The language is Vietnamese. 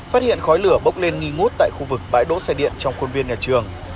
phát hiện khói lửa bốc lên nghi ngút tại khu vực bãi đỗ xe điện trong khuôn viên nhà trường